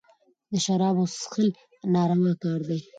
د شرابو څېښل ناروا کار دئ.